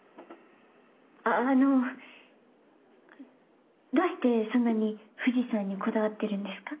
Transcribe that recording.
あっあのどうしてそんなに富士山にこだわってるんですか？